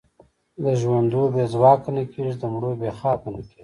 د ژوندو بې ځواکه نه کېږي، د مړو بې خاکه نه کېږي.